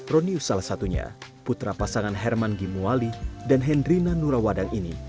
ronius salah satunya putra pasangan herman gimuali dan hendrina nurawadang ini